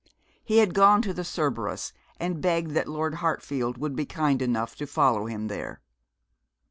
He had gone to the Cerberus, and begged that Lord Hartfield would be kind enough to follow him there.